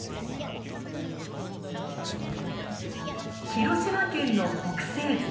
広島県の北西部。